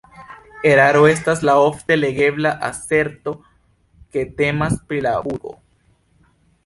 Eraro estas la ofte legebla aserto, ke temas pri la burgo.